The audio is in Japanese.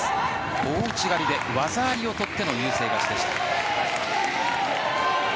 大内刈りで技ありをとっての優勢勝ちでした。